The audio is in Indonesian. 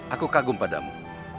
aku kagum padamu